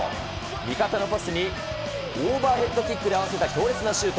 味方のパスに、オーバーヘッドキックで合わせた強烈なシュート。